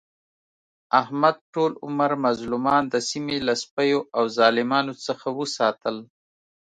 احمد ټول عمر مظلومان د سیمې له سپیو او ظالمانو څخه وساتل.